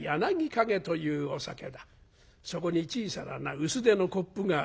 そこに小さなな薄手のコップがある。